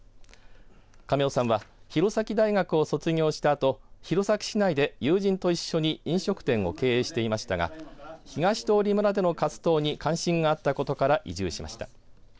亀尾さんは弘前大学を卒業したあと弘前市内で友人と一緒に飲食店を経営していましたが東通村での活動に関心があったことから移住しました。